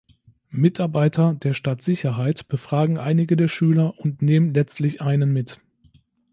Mitarbeiter der Staatssicherheit befragen einige der Schüler und nehmen letztlich einen mit.